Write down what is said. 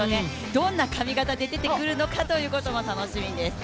どんな髪型で出てくるのかというところも楽しみです。